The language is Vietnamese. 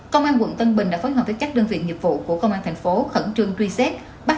công an quận tân bình đã phối hợp với các đơn vị nhiệm vụ của công an tp khẩn trương truy xét bắt